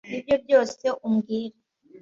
Nibyo byose umbwira?